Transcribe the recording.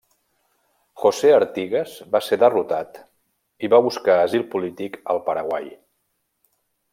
José Artigas va ser derrotat i va buscar asil polític al Paraguai.